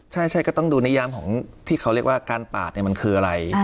ใช่ก็ต้องดูนิยามของที่เขาเรียกว่าการปาดมันคืออะไร